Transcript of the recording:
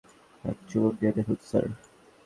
এক চুমুক দিয়ে দেখুন, স্যার।